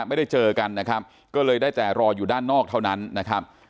ไม่ได้เจอกันนะครับก็เลยได้แต่รออยู่ด้านนอกเท่านั้นนะครับ